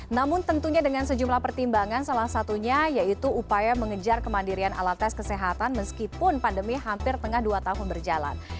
namun tentunya dengan sejumlah pertimbangan salah satunya yaitu upaya mengejar kemandirian alat tes kesehatan meskipun pandemi hampir tengah dua tahun berjalan